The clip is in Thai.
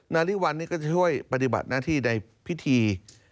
นาริวัลนี่ก็จะช่วยปฏิบัติหน้าที่ในพิธี